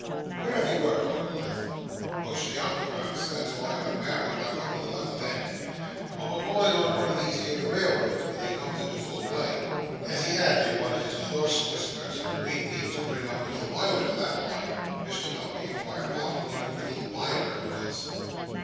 "Where have you worked all your life?" "Mostly underground, Sir, "till I got married. I come to the level then. I'm a going on one of these here railroads when they comes into full play." As he added in one of his hoarse whispers, "We means to bring up little Biler to that line," Mr Dombey inquired haughtily who little Biler was.